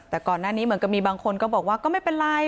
แต่ก่อนหน้านี้เหมือนกับมีบางคนก็บอกว่าก็ไม่เป็นไร